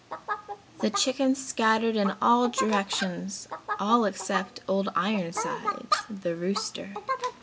The chickens scattered in all directions, all except Old Ironsides, the rooster.